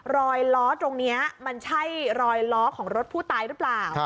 รอยล้อตรงนี้มันใช่รอยล้อของรถผู้ตายหรือเปล่า